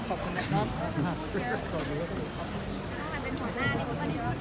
ขอบคุณครับขอบคุณมากครับ